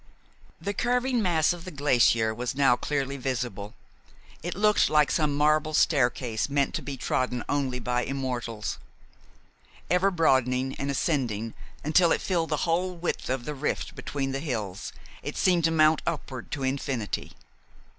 The curving mass of the glacier was now clearly visible. It looked like some marble staircase meant to be trodden only by immortals. Ever broadening and ascending until it filled the whole width of the rift between the hills, it seemed to mount upward to infinity.